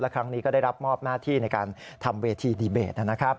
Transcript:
ครั้งนี้ก็ได้รับมอบหน้าที่ในการทำเวทีดีเบตนะครับ